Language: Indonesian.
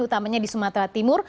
utamanya di sumatera timur